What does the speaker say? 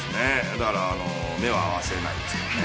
だから目は合わせないですけどね